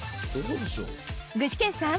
具志堅さん